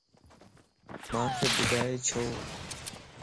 مانک ٻدائي ڇو؟